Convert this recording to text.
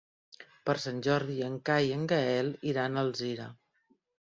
Per Sant Jordi en Cai i en Gaël iran a Alzira.